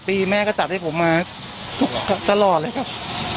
ปีแม่ก็จัดให้ผมมาตลอดเลยครับ